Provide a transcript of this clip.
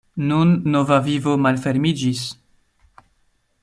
Nun nova vivo malfermiĝis.